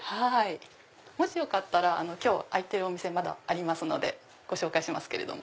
もしよかったら今日開いてるお店まだありますのでご紹介しますけれども。